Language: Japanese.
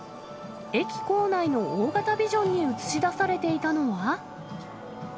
駅構内の大型ビジョンに映し出されていたのは。